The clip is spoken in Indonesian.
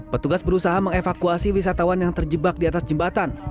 petugas berusaha mengevakuasi wisatawan yang terjebak di atas jembatan